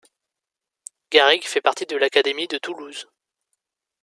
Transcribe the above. Garrigues fait partie de l'académie de Toulouse.